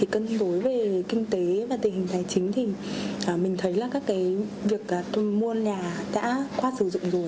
cân đối về kinh tế và tình hình tài chính thì mình thấy là các việc tôi mua nhà đã qua sử dụng rồi